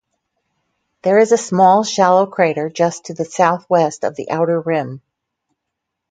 There is a small, shallow crater just to the southwest of the outer rim.